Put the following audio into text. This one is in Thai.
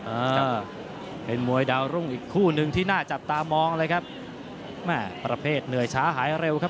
อ่าเป็นมวยดาวรุ่งอีกคู่หนึ่งที่น่าจับตามองเลยครับแม่ประเภทเหนื่อยช้าหายเร็วครับ